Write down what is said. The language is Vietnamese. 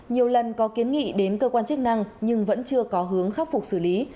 nhiều lần có kiến nghị đến cơ quan chức năng nhưng vẫn chưa có hướng khắc phục xử lý